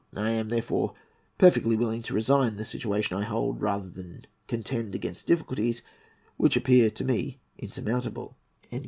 I am, therefore, perfectly willing to resign the situation I hold, rather than contend against difficulties which appear to me insurmountable."